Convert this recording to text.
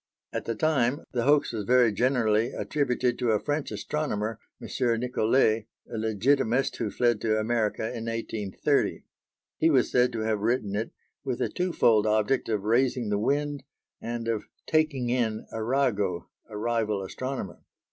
At the time, the hoax was very generally attributed to a French astronomer, M. Nicollet, a legitimist who fled to America in 1830. He was said to have written it with the twofold object of raising the wind, and of "taking in" Arago, a rival astronomer.